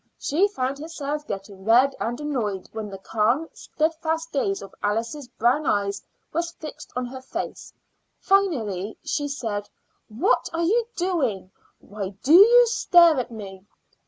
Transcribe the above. She found herself getting red and annoyed when the calm, steadfast gaze of Alice's brown eyes was fixed on her face. Finally she said: "What are you doing? Why do you stare at me?"